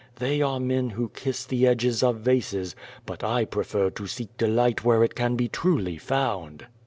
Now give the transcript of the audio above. They are men who kiss the edges of vases, but I prefer to seek delight where it can be truly found."